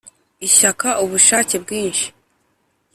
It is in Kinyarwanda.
ishyaka: ubushake bwinshi